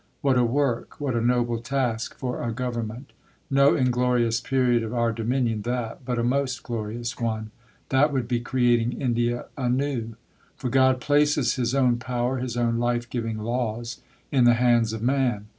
What a work, what a noble task for a Government no "inglorious period of our dominion" that, but a most glorious one! That would be creating India anew. For God places His own power, His own life giving laws in the hands of man.